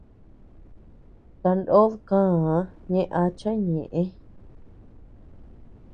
Tanod káa ñe acha ñeʼë.